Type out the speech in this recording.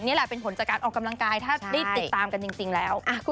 นี่แหละเป็นผลจากการออกกำลังกายถ้าได้ติดตามกันจริงแล้ว